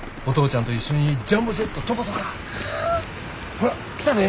ほら来たで。